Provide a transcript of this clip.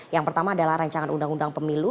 yang pertama adalah rancangan undang undang pemilu